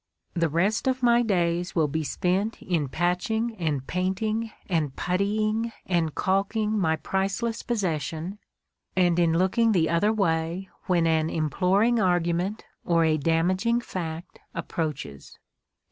The rest of my days will be spent in patching and paint ing and puttying and calking my priceless possession and in looking the other way when an imploring argu ment or a damaging fact approaches."